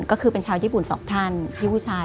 ก็คือเป็นชาวญี่ปุ่น๒ท่านพี่ผู้ชาย